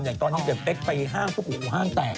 อย่างตอนที่แต่เป๊กไปห้างลูกห้างแตก